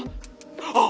あっ！